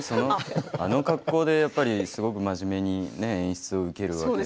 あの格好で、すごく真面目に演出を受けるわけで。